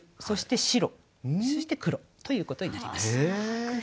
そして黒ということになります。